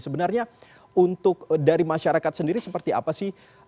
sebenarnya untuk dari masyarakat sendiri seperti apa sih